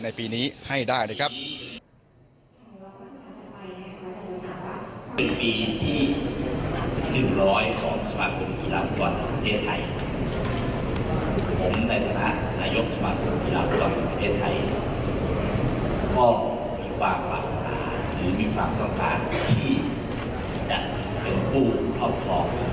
ก็มีความปรากฏหาหรือมีความต้องการที่จะเป็นผู้ครอบครอง